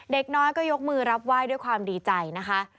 เด็กน้อยก็ยกมือรับไหว้ด้วยความดีใจนะคะ